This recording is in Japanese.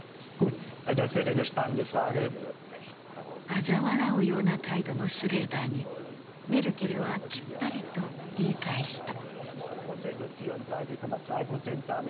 あざ笑うような態度のシュレーダーにメルケルはきっぱりと言い返した。